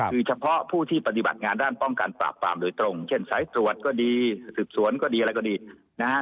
คือเฉพาะผู้ที่ปฏิบัติงานด้านป้องกันปราบปรามโดยตรงเช่นสายตรวจก็ดีสืบสวนก็ดีอะไรก็ดีนะฮะ